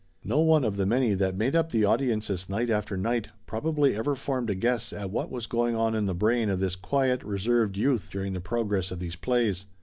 No one of the many that made up the audiences night after night, probably ever formed a guess at what was going on in the brain of this quiet reserved youth during the progress of these plays.